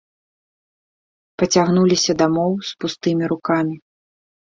Пацягнуліся дамоў з пустымі рукамі.